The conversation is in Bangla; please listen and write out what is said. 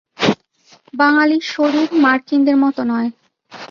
বাঙালীর শরীর মার্কিনদের মত নয়।